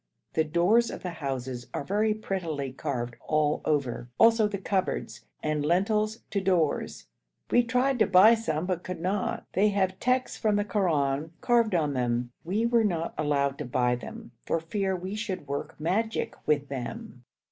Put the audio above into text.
The doors of the houses are very prettily carved all over, also the cupboards, and lintels to doors; we tried to buy some but could not. They have texts from the Koran carved on them. We were not allowed to buy them for fear we should work magic with them.